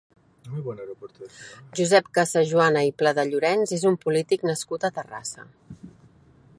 Josep Casajuana i Pladellorens és un polític nascut a Terrassa.